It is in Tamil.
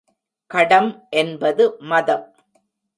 கடம் என்பது மதம்.